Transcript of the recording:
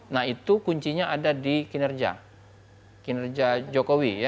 nah itu kuncinya ada di kinerja kinerja jokowi ya